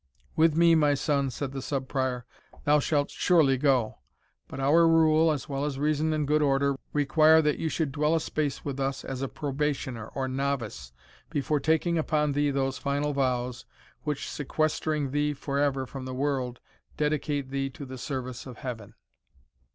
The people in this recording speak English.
"With me, my son," said the Sub Prior, "thou shalt surely go; but our rule, as well as reason and good order, require that you should dwell a space with us as a probationer, or novice, before taking upon thee those final vows, which, sequestering thee for ever from the world, dedicate thee to the service of Heaven."